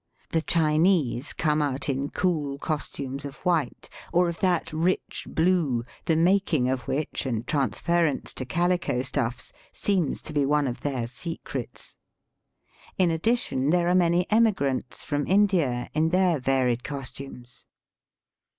The Chinese come out in cool costumes of white, or of that rich blue, the making of which and transference to calico stuffs seems to be one of their secrets. In addition, there are many emigrants from India in their varied costumes.